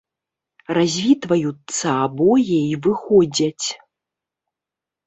Развітваюцца абое і выходзяць.